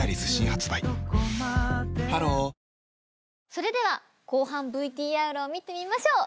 それでは後半ＶＴＲを見てみましょう。